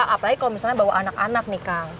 apalagi kalau misalnya bawa anak anak nih kang